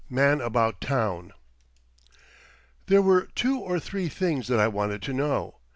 MAN ABOUT TOWN There were two or three things that I wanted to know.